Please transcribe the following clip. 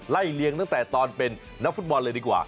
เลี้ยงตั้งแต่ตอนเป็นนักฟุตบอลเลยดีกว่า